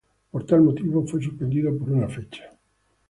Por tal motivo fue suspendido por una fecha.